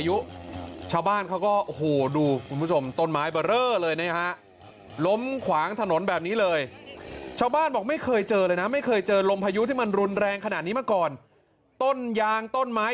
อยู่ประตูของชาวบ้านบอกไม่เคยเจอเลยนะไม่เคยเจอลมภาย๋วที่มันรุ่นแรง